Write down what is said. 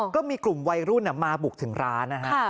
ก็มีกลุ่มวัยรุ่นมาบุกถึงร้านนะฮะ